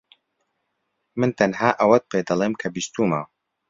من تەنها ئەوەت پێدەڵێم کە بیستوومە.